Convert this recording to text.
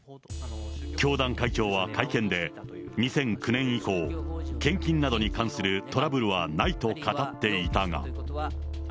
教団会長は会見で、２００９年以降、献金などに関するトラブルはないと語っていたが。